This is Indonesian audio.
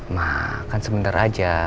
ma kan sebentar aja